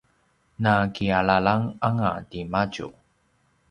nakialalanganga timadju